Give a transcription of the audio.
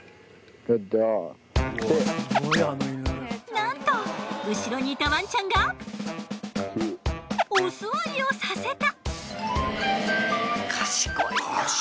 なんと後ろにいたワンちゃんがおすわりをさせた。